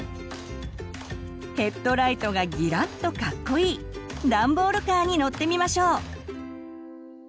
ヘッドライトがギラッとかっこいいダンボールカーに乗ってみましょう！